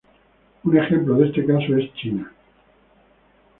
Un ejemplo de este caso es China.